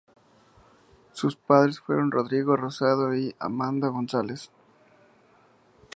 Sus padres fueron Rodrigo Rosado y Amanda González.